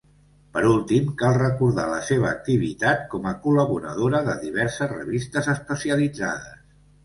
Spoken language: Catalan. Per últim, cal recordar la seva activitat com a col·laboradora de diverses revistes especialitzades.